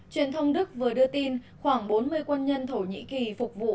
truyền thông đức vừa đưa tin khoảng bốn mươi quân nhân thổ nhĩ kỳ phục vụ